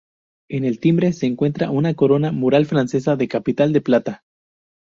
En el "timbre", se muestra una corona mural francesa de capital, "de plata".